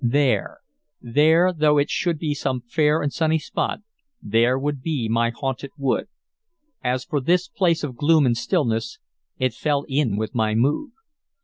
There, there, though it should be some fair and sunny spot, there would be my haunted wood. As for this place of gloom and stillness, it fell in with my mood.